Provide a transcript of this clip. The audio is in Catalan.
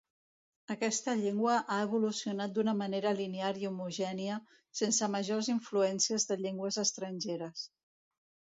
Aquesta llengua ha evolucionat d'una manera linear i homogènia, sense majors influències de llengües estrangeres.